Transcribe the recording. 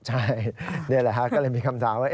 ใช่นี่แหละฮะก็เลยมีคำถามว่า